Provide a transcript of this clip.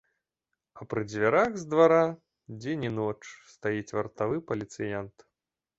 А пры дзвярах з двара дзень і ноч стаіць вартавы паліцыянт.